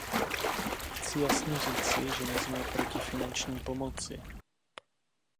Chci jasně říci, že nejsme proti finanční pomoci.